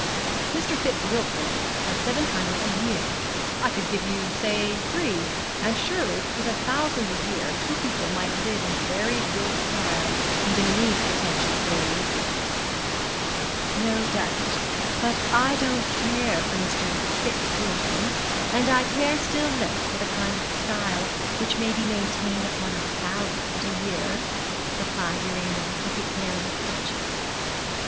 Mr. Fitz Wilson has seven hundred a year. I could give you say three; and surely with a thousand a year two young people might live in very good style even in these pretentious days.' 'No doubt. But I don't care for Mr. Fitz Wilson, and I care still less for the kind of style which can be maintained upon a thousand a year,' replied Urania, with the air of a duchess.